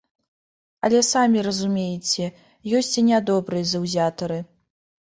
Але самі разумееце, ёсць і нядобрыя заўзятары.